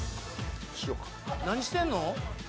何してんの？